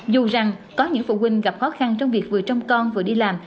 dù rằng có những phụ huynh gặp khó khăn trong việc vừa trong con vừa đi làm